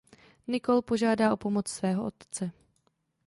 Nicole požádá o pomoc svého otce.